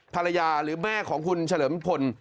หรือแม่ของคุณเฉลิมพล